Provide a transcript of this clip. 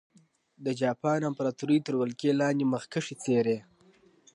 د جاپان امپراتورۍ تر ولکې لاندې مخکښې څېرې.